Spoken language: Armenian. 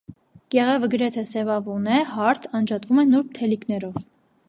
Կեղևը գրեթե սևավուն է, հարթ, անջատվում է նուրբ թելիկներով։